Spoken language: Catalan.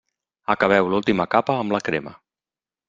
Acabeu l'última capa amb la crema.